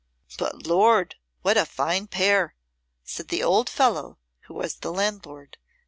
"But Lord, what a fine pair!" said the old fellow who was the landlord.